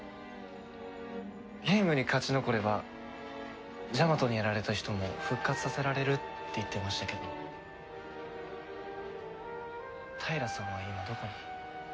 ゲームに勝ち残ればジャマトにやられた人も復活させられるって言ってましたけど平さんは今どこに？